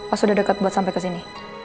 oh sudah dekat buat sampai ke sini